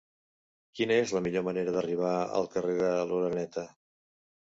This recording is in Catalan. Quina és la millor manera d'arribar al carrer de l'Oreneta?